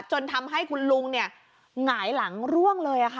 จนทำให้คุณลุงเนี่ยไหลหลังร่วงเลยอ่ะค่ะ